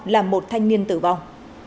làm một thanh niên tử vong